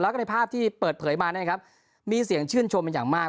แล้วก็ในภาพที่เปิดเผยมานะครับมีเสียงชื่นชมเป็นอย่างมาก